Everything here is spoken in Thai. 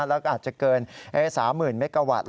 แล้วก็อาจจะเกิน๓๐๐๐เมกะวัตต